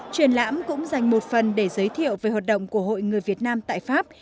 triển lãm cũng dành một phần để giới thiệu về hoạt động của hội người việt nam tại pháp